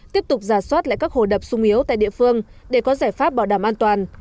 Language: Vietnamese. tiếp tục giả soát lại các hồ đập sung yếu tại địa phương để có giải pháp bảo đảm an toàn